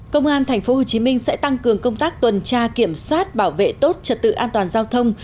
công an tp hcm sẽ tăng cường công tác tuần tra kiểm soát bảo vệ tốt trật tự an toàn giao thông